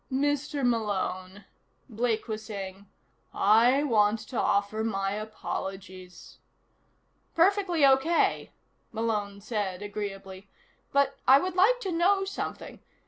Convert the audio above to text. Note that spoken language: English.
"Mr. Malone," Blake was saying, "I want to offer my apologies " "Perfectly okay," Malone said agreeably. "But I would like to know something.